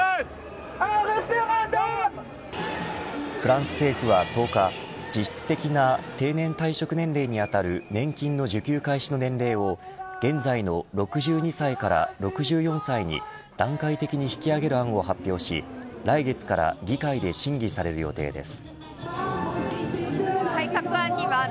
フランス政府は１０日実質的な定年退職年齢に当たる年金の受給開始の年齢を現在の６２歳から６４歳に段階的に引き上げる案を発表し来月から議会で審議される予定です。